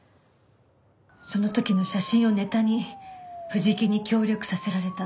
その時の写真をネタに藤木に協力させられた。